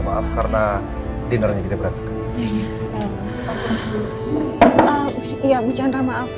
maaf karena dinernya kita berantakan